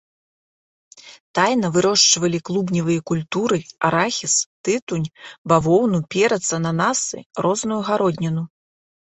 Таіна вырошчвалі клубневыя культуры, арахіс, тытунь, бавоўну, перац, ананасы, розную гародніну.